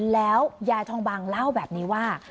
แล้วยายทองบังเล่าแบบนี้ว่า